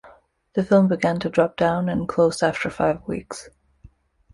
The film began to drop down and closed after five weeks.